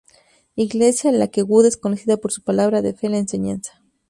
Iglesia Lakewood es conocida por su palabra de fe en la enseñanza.